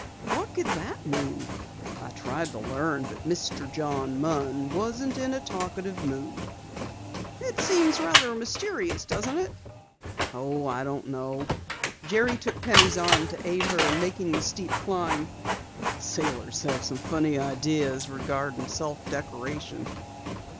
'" "What could that mean?" "I tried to learn, but Mr. John Munn wasn't in a talkative mood." "It seems rather mysterious, doesn't it?" "Oh, I don't know." Jerry took Penny's arm to aid her in making the steep climb. "Sailors have some funny ideas regarding self decoration.